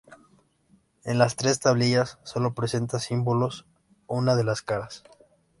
En las tres tablillas solo presenta símbolos una de las caras.